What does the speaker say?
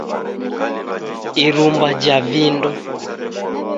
irumba ja vindo